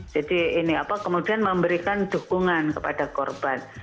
jadi ini apa kemudian memberikan dukungan kepada korban